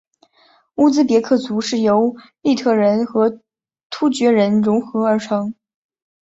乌兹别克族是由粟特人和突厥人溶合而成。